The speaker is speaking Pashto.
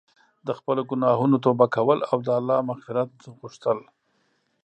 د خپلو ګناهونو توبه کول او د الله مغفرت غوښتل.